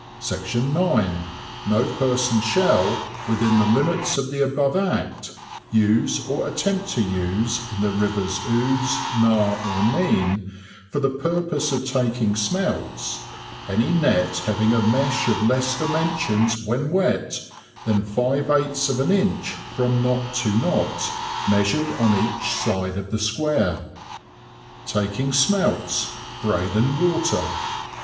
9. No person shall, within the limits of the above Act, use or attempt to use, in the Rivers Ouse, Nar, or Nene, for the purpose of taking Smelts, any Net having a mesh of less dimensions, when wet, than five eighths of an inch from knot to knot, measured on each side of the square. TAKING SMELTS.—BREYDON WATER.